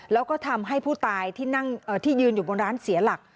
แล้วก็ทำให้ผู้ตายที่นั่งที่ยืนอยู่บนร้านเสียหลัก